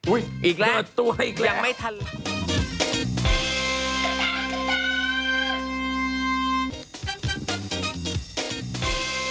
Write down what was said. อุ๊ยเปิดตัวอีกแล้วยังไม่ทันแล้วอุ๊ยเปิดตัวอีกแล้ว